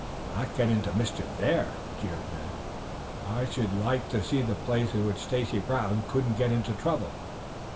"Not get into mischief there?" jeered Ned. "I should like to see the place in which Stacy Brown couldn't get into trouble."